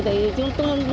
thế thì chúng tôi